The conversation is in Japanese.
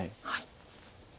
はい。